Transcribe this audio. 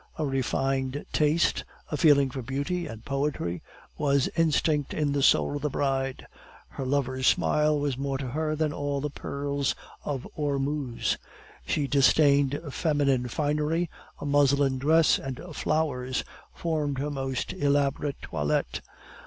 A refined taste, a feeling for beauty and poetry, was instinct in the soul of the bride; her lover's smile was more to her than all the pearls of Ormuz. She disdained feminine finery; a muslin dress and flowers formed her most elaborate toilette.